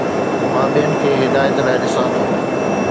مان ٻين کي هدايت لاء ڏسان ٿو